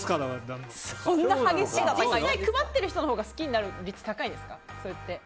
実際、配ってる人のほうが好きになる率高いですか？